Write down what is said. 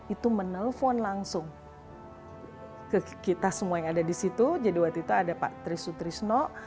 itu menelpon langsung ke kita semua yang ada di situ jadi waktu itu ada pak trisutrisno